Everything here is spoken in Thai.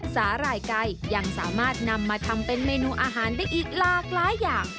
สาหร่ายไก่ยังสามารถนำมาทำเป็นเมนูอาหารได้อีกหลากหลายอย่าง